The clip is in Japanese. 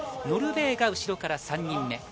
ノルウェーが後ろから３人目。